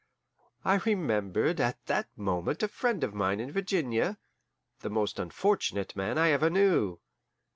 I remembered at that moment a friend of mine in Virginia, the most unfortunate man I ever knew.